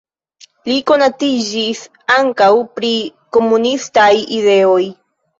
Li konatiĝis ankaŭ pri komunistaj ideoj.